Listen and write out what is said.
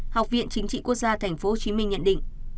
học viện chính trị quốc gia tp hcm nhận định